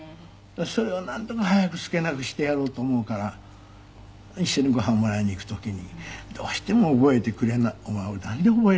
それをなんとか早く少なくしてやろうと思うから一緒にご飯をもらいに行く時にどうしても覚えてくれない「お前なんで覚えられない？」。